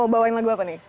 mau bawain lagu apa nih